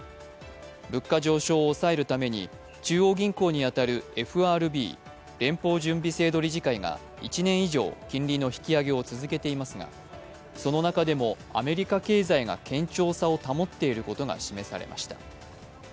物価上昇を抑えるために中央銀行に当たるＦＲＢ＝連邦準備制度理事会が１年以上金利の引き上げを続けていますがその中でもアメリカ経済が堅調さを保っていることが示されました。